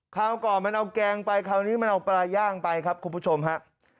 คราวก่อนมันเอาแกงไปคราวนี้มันเอาปลาย่างไปครับคุณผู้ชมฮะ